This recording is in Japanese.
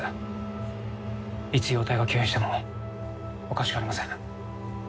いつ容体が急変してもおかしくありません。